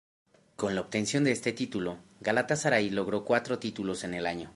Con la obtención de este título, Galatasaray logró cuatro títulos en el año.